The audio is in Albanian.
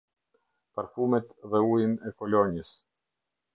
Parfumet dhe ujin e kolonjës.